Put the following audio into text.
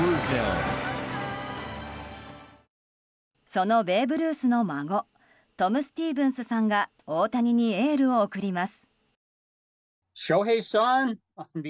そのベーブ・ルースの孫トム・スティーブンスさんが大谷にエールを送ります。